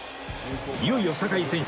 いよいよ堺選手